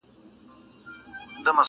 o آصل سړی یمه له شماره وځم,